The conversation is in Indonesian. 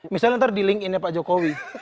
misalnya nanti di link in nya pak jokowi